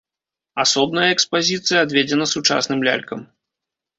Асобная экспазіцыя адведзена сучасным лялькам.